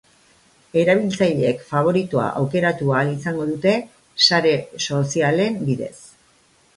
Erabiltzaileek faboritoa aukeratu ahal izango dute sare sozialen bidez.